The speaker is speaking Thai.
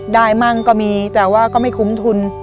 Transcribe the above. มั่งก็มีแต่ว่าก็ไม่คุ้มทุน